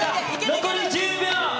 残り１０秒。